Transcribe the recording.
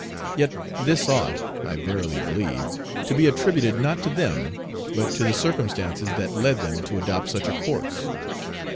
Yet this ought, I verily believe, to be attributed not to them, but to the circumstances that led them to adopt such a course.